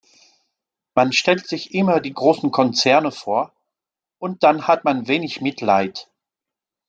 Man stellt sich immer die großen Konzerne vor, und dann hat man wenig Mitleid.